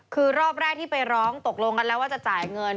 คือรอบแรกที่ไปร้องตกลงกันแล้วว่าจะจ่ายเงิน